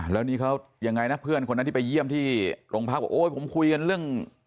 แล้วนีเขายังไงหน้าเพื่อนคนนะที่ไปเยี่ยมที่โรงพักษณ์ว่าอ้วยผมคุยเรื่องเรื่อง